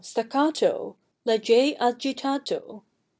Staccato! Leggier agitato!